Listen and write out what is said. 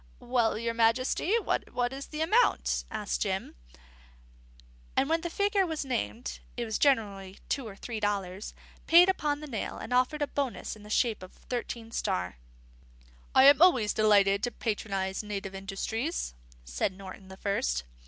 "Well, your Majesty, what is the amount?" asked Jim; and when the figure was named (it was generally two or three dollars), paid upon the nail and offered a bonus in the shape of Thirteen Star. "I am always delighted to patronise native industries," said Norton the First.